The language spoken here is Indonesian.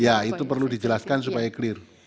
ya itu perlu dijelaskan supaya clear